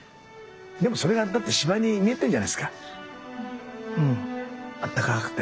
でもそれがだって芝居に見えてんじゃないですかあったかくて。